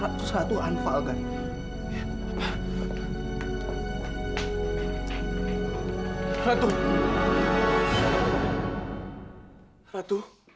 iya terima kasih ratu